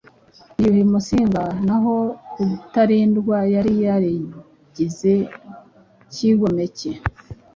ni Yuhi Musinga, naho Rutalindwa yari yarigize icyigomeke